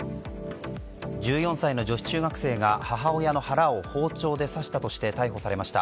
１４歳の女子中学生が母親の腹を包丁で刺したとして逮捕されました。